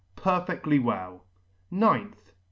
Perfectly well. 9th.